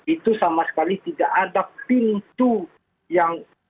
itu sama sekali tidak ada pintu yang